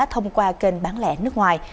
thông qua kênh bán lẻ nước ngoài